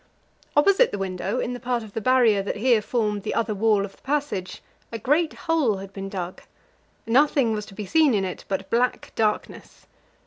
Opposite the window, in the part of the Barrier that here formed the other wall of the passage, a great hole had been dug; nothing was to be seen in it but black darkness.